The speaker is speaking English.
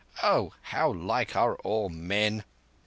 Oh, how like are all men!